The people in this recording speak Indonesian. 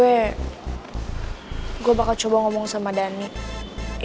ya meskipun gue tetep bisa berpikir pikir sama raya ke gue